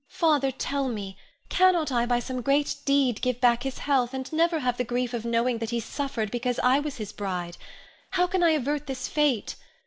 Father, tell me, cannot I by some great deed give back his health, and never have the grief of knowing that he suffered because I was his bride? How can I avert this fate?